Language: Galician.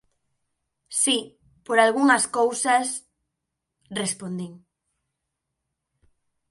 Si, por algunhas cousas —respondín.